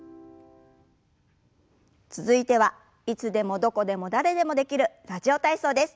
続いてはいつでもどこでも誰でもできる「ラジオ体操」です。